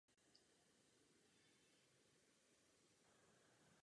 V obou případech je zřejmá biblická inspirace.